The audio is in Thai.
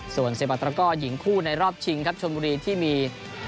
ส่วนเซบาตระก้อหญิงคู่ในรอบชิงครับชนบุรีที่มี